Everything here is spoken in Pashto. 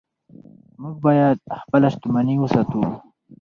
موږ باید خپله شتمني وساتو.